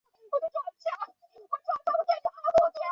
上关町是位于山口县东南部的一町。